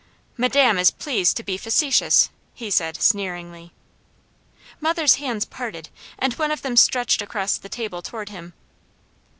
"Madame is pleased to be facetious," he said sneeringly. Mother's hands parted, and one of them stretched across the table toward him.